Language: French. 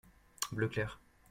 bleu clair.